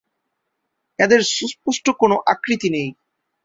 এদের সুস্পষ্ট কোন আকৃতি নেই।